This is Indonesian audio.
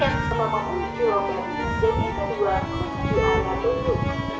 sama memuji wabah yang disediakan dua kunci ayat dulu